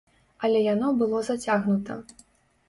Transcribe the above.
Але яно было зацягнута.